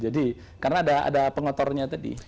jadi karena ada pengotornya tadi